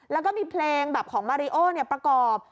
แล้วก็มีเพลงแบบของมาริโอประกอบ